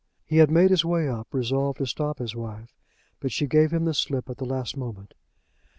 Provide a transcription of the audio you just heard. He had made his way up, resolved to stop his wife, but she gave him the slip at the last moment.